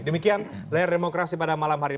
demikian layar demokrasi pada malam hari ini